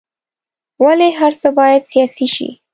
ولې هر څه باید سیاسي شي.